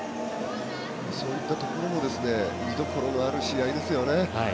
そういったところも見どころのある試合ですよね。